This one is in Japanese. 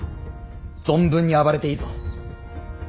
存分に暴れていいぞ。